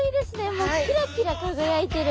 もうキラキラ輝いてる。